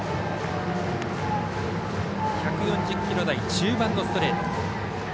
１４０キロ台中盤のストレート。